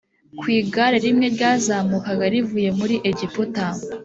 Ku igare rimwe ryazamukaga rivuye muri Egiputa